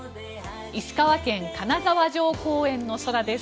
石川県・金沢城公園の空です。